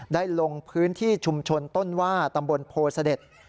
ได้ลงพื้นที่ชุมชนต้นว่าตำบลโภษเดช